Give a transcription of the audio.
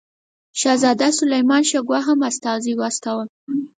شهزاده سلیمان شکوه هم استازی واستاوه.